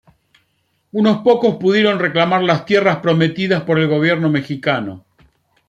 Unos pocos pudieron reclamar las tierras prometidas por el gobierno mexicano.